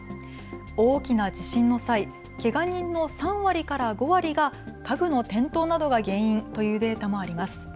大きな地震の際、けが人の３割から５割が家具の転倒などが原因というデータもあります。